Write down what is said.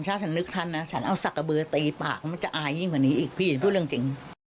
ถ้าฉันนึกท่านนะฉันเอาสักกระเบือตีปากมันจะอายยิ่งกว่านี้อีกพี่พูดเรื่องจริง